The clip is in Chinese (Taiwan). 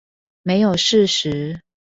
沒有事實